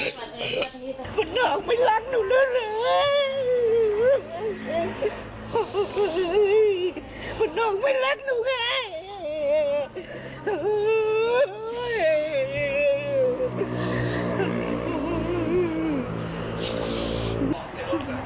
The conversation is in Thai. พ่อนไม่รักหนูเลย